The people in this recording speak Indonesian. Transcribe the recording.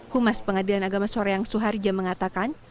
humas pengadilan agama soreang suharja mengatakan